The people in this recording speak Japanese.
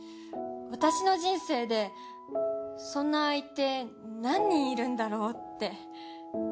私の人生でそんな相手何人いるんだろうって。